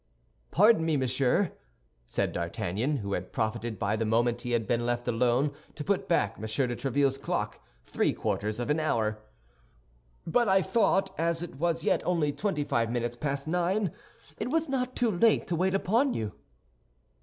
"Pardon me, monsieur," said D'Artagnan, who had profited by the moment he had been left alone to put back M. de Tréville's clock three quarters of an hour, "but I thought, as it was yet only twenty five minutes past nine, it was not too late to wait upon you."